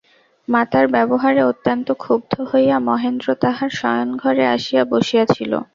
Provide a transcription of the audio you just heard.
মাতার ব্যবহারে অত্যন্ত ক্ষুদ্ধ হইয়া মহেন্দ্র তাহার শয়নঘরে আসিয়া বসিয়া ছিল।